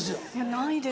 ないです。